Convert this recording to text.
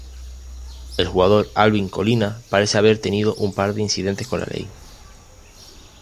El jugador Alvin Colina parece haber tenido un par de incidentes con la ley.